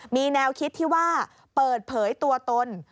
มีแนวคิดที่ว่าเปิดเผยตัวตน